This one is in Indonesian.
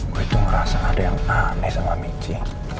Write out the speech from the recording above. gue itu ngerasa ada yang aneh sama micha